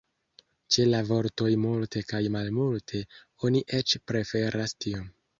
Ĉe la vortoj "multe" kaj "malmulte" oni eĉ preferas "tiom".